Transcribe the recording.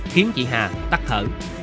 khiến chị hà tắt thở